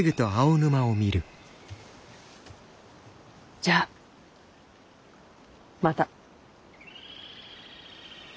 じゃあまた！